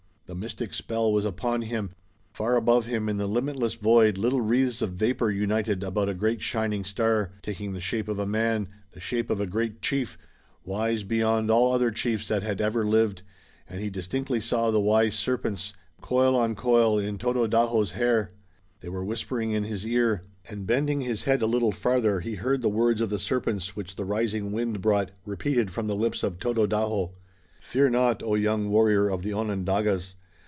The mystic spell was upon him. Far above him in the limitless void little wreaths of vapor united about a great shining star, taking the shape of a man, the shape of a great chief, wise beyond all other chiefs that had ever lived, and he distinctly saw the wise serpents, coil on coil, in Tododaho's hair. They were whispering in his ear, and bending his head a little farther he heard the words of the serpents which the rising wind brought, repeated, from the lips of Tododaho: "Fear not, O young warrior of the Onondagas!